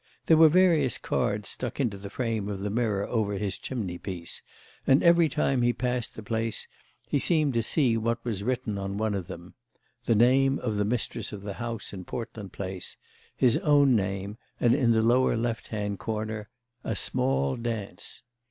There were various cards stuck into the frame of the mirror over his chimney piece, and every time he passed the place he seemed to see what was written on one of them—the name of the mistress of the house in Portland Place, his own name and in the lower left hand corner "A small Dance."